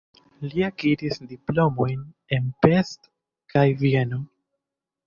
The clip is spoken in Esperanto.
Li akiris diplomojn en Pest kaj Vieno.